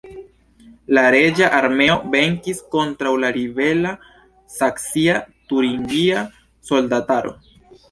La reĝa armeo venkis kontraŭ la ribela saksia-turingia soldataro.